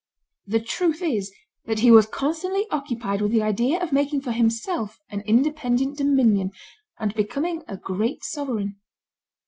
The truth is, that he was constantly occupied with the idea of making for himself an independent dominion, and becoming a great sovereign.